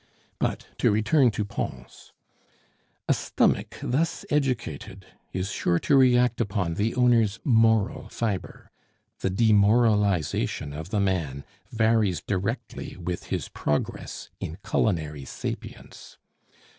But to return to Pons. A stomach thus educated is sure to react upon the owner's moral fibre; the demoralization of the man varies directly with his progress in culinary sapience.